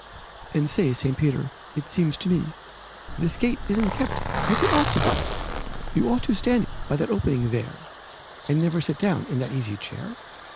And say, St. Peter, it seems to me This gate isn't kept as it ought to be; You ought to stand by that opening there, And never sit down in that easy chair.